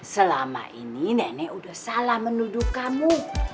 selama ini nenek sudah salah menuduh kamu